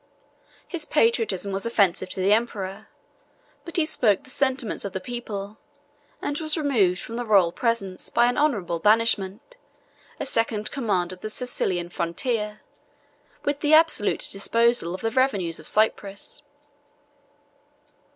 His patriotism was offensive to the emperor, but he spoke the sentiments of the people, and was removed from the royal presence by an honorable banishment, a second command of the Cilician frontier, with the absolute disposal of the revenues of Cyprus.